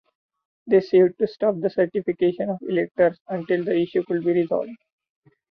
They sued to stop the certification of electors until the issue could be resolved.